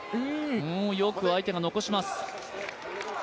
よく相手が残します。